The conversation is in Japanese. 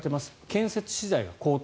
建設資材が高騰